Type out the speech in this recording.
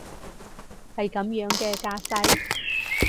係噉樣嘅架勢？